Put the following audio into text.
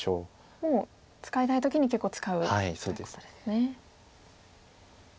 もう使いたい時に結構使うということですね。